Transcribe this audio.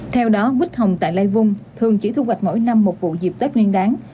theo đó bích hồng tại lai vung thường chỉ thu hoạch mỗi năm một vụ dịp tết nguyên đáng